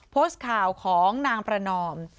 โพสต์ข่าวของนางประนอม